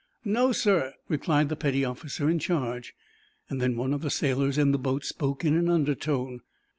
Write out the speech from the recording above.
"No, sir," replied the petty officer in charge. Then one of the sailors in the boat spoke in an undertone.